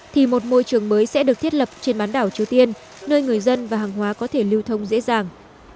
thì một môi trường mới sẽ được thiết lập trên bán đảo triều tiên nơi người dân và hàng hóa có thể lưu thông dễ dàng